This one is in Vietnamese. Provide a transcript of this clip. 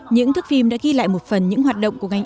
những thức phim đã ghi lại một phần những hoạt động của ngành